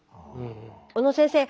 小野先生